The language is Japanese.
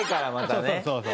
そうそうそうそう。